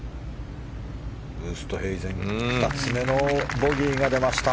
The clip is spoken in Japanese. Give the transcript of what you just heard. ウーストヘイゼン２つ目のボギーが出ました。